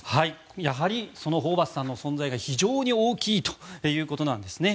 やはりそのホーバスさんの存在が非常に大きいということなんですね。